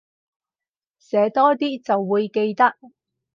寫多啲就會記得